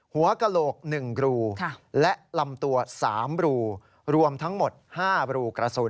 หัวกระโหลก๑รูและลำตัว๓รูรวมทั้งหมด๕รูกระสุน